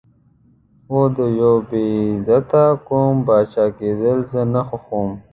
خو د یو بې غیرته قوم پاچا کېدل زه نه خوښوم.